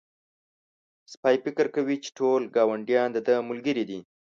سپی فکر کوي چې ټول ګاونډيان د ده ملګري دي.